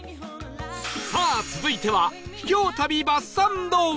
さあ続いては秘境旅バスサンド